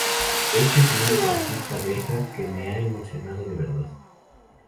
De hecho, es el único artista belga que me ha emocionado de verdad.